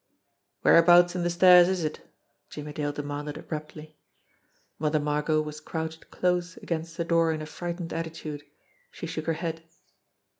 "Whereabouts in the stairs is it?" Jimmie Dale demanded abruptly. Mother Margot was crouched close against the door in a frightened attitude. She shook her head.